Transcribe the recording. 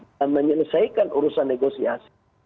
dan menyelesaikan urusan negosiasi